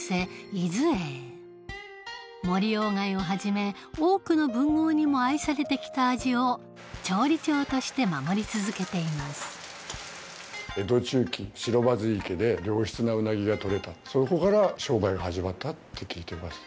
伊豆榮森鴎外をはじめ多くの文豪にも愛されて来た味を調理長として守り続けていますって聞いています。